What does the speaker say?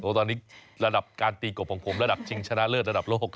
ตอนนี้ระดับการตีกบของผมระดับชิงชนะเลิศระดับโลก